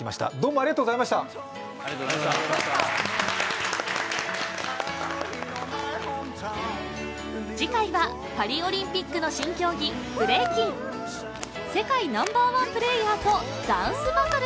ありがとうございました次回はパリオリンピックの新競技ブレイキン世界ナンバーワンプレーヤーとダンスバトル！